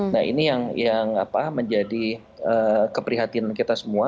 nah ini yang menjadi keprihatinan kita semua